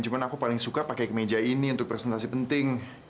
cuma aku paling suka pakai kemeja ini untuk presentasi penting